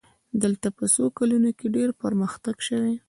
دلته په څو کلونو کې ډېر پرمختګ شوی.